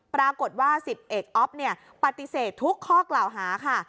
ปรากฏว่า๑๐เอกอ๊อฟปฏิเสธทุกข้อกล่าวหาค่ะ